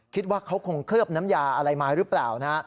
คิดว่าเขาคงเคลือบน้ำยาอะไรมาหรือเปล่านะฮะ